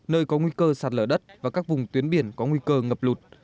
nơi có nguy cơ sạt lở đất và các vùng tuyến biển có nguy cơ ngập lụt